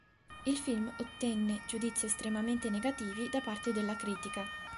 Il film ottenne giudizi estremamente negativi da parte della critica.